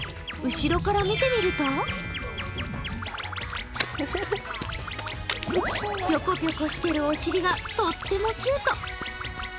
後ろから見てみるとぴょこぴょこしてるお尻がとってもキュート。